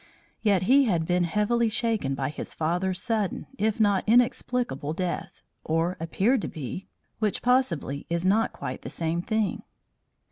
Yet he had been heavily shaken by his father's sudden if not inexplicable death, or appeared to be, which possibly is not quite the same thing.